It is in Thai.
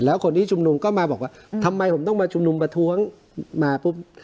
แล้วคนที่ชุมนุมก็มาบอกว่าทำไมผมต้องมาชุมนุมประท้วงมาปุ๊บ